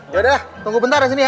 yaudah tunggu bentar disini ya